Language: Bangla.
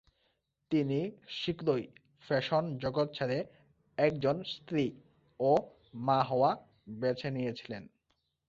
তিনি শীঘ্রই ফ্যাশন জগৎ ছেড়ে একজন স্ত্রী ও মা হওয়া বেছে নিয়েছিলেন।